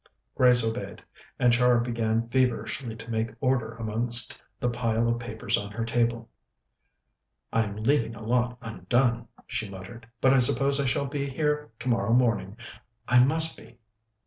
Grace obeyed, and Char began feverishly to make order amongst the pile of papers on her table. "I'm leaving a lot undone," she muttered, "but I suppose I shall be here tomorrow morning. I must be."